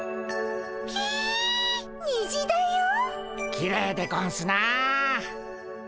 きれいでゴンスなあ。